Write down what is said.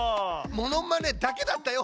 モノマネだけだったよ